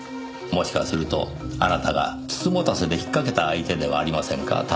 もしかするとあなたが美人局で引っかけた相手ではありませんか？